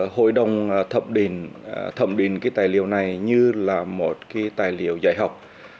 hội đồng thẩm định cái tài liệu này như là một cái tài liệu giải học